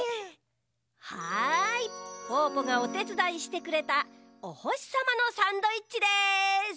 はいぽぅぽがおてつだいしてくれたおほしさまのサンドイッチです！